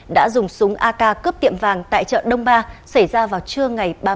đã dùng súng ak cướp tiệm vàng tại chợ đông ba xảy ra vào trưa ngày ba mươi một tháng bảy